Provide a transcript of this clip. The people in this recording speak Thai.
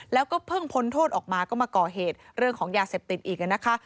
แล้วก็เพิ่งพ้นโทษออกมาก็มาก่อเหตุเรื่องของยาเสพติดอีกนะคะ